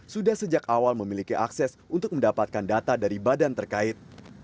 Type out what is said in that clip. sudah sejak awal memiliki akses untuk mendapatkan data dari badan terkait